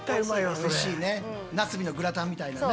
おいしいねナスビのグラタンみたいなね。